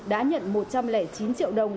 đã nhận một trăm linh chín triệu đồng